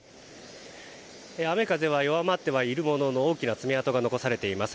雨風は弱まってはいるものの大きな爪痕が残されています。